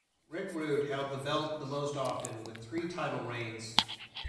Rick Rude held the belt the most often, with three title reigns.